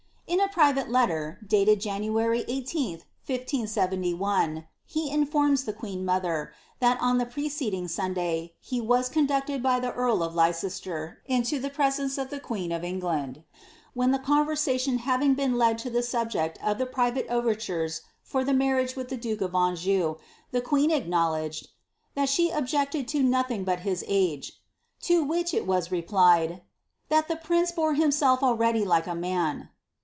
In a private letter, dated January IBth, 15T1, he infornis ihe queen mother, that on the preceding Sunday, he was con ducted by the earl of Leicester into the presence of the queen of Eng land, when the conversation having been led to the subject of the pri vate overtures for the marriage with the duke of Anjou, the queen ac knowledged, " that she objected lo nothing but his age." To which it was replied, " That the prince bore himself already likeaman.